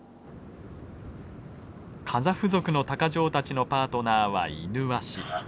カザフ族の鷹匠たちのパートナーはイヌワシ。